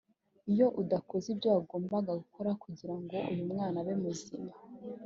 iyo udakoze ibyo wagombaga gukora kugira ngo uyu mwana abe muzima